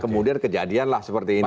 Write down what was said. kemudian kejadian lah seperti ini